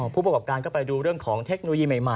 ผู้ประกอบการก็ไปดูเรื่องของเทคโนโลยีใหม่